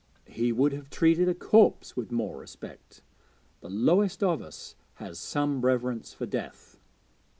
He would have treated a corpse with more respect: the lowest of us has some reverence for death.